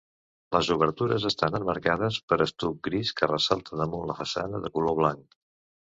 Les obertures estan emmarcades per estuc gris, que ressalta damunt la façana de color blanc.